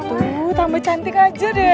tuh tambah cantik aja deh